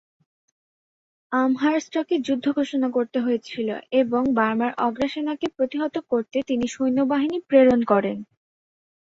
আমহার্স্টকে যুদ্ধ ঘোষণা করতে হয়েছিল এবং বার্মার আগ্রাসনকে প্রতিহত করতে তিনি সৈন্যবাহিনী প্রেরণ করেন।